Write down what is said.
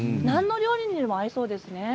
何の料理にでも合いそうですね。